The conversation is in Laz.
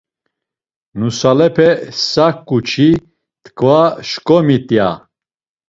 Nusalepe saǩu-çi t̆ǩva şǩomit ya.